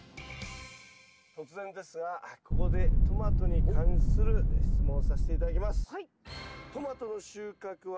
突然ですがここでトマトに関する質問をさせて頂きます。